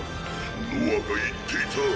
ノアが言っていた。